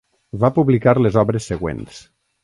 Va publicar les obres següents.